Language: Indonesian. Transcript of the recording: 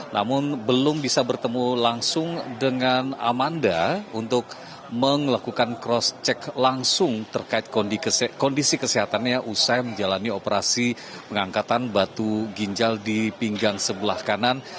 namun belum bisa bertemu langsung dengan amanda untuk melakukan cross check langsung terkait kondisi kesehatannya usai menjalani operasi pengangkatan batu ginjal di pinggang sebelah kanan